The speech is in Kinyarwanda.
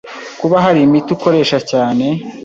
Kuba hari imiti ukoresha cyane